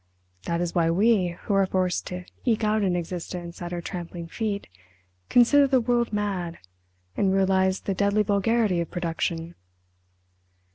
That is why we, who are forced to eke out an existence at her trampling feet, consider the world mad, and realise the deadly vulgarity of production."